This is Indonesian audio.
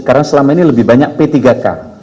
karena selama ini lebih banyak p tiga k